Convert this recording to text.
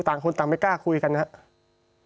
ต่างคนต่างไม่กล้าคุยกันนะครับ